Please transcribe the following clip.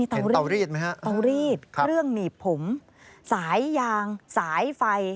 เตารีดไหมฮะเตารีดเครื่องหนีบผมสายยางสายไฟ